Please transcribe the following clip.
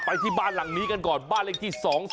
ที่บ้านหลังนี้กันก่อนบ้านเลขที่๒๒